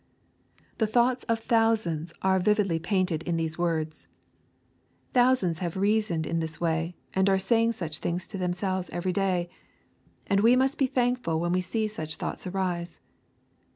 The thoughts of thousands are vividly painted in these LUKE, CHAP. XV. 183 woids. (Thousands have reasoned in this way, and are saying such things to themselves every day.\ And we must be thankful when we see such thoughts arise.